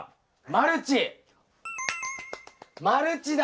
マルチだよ。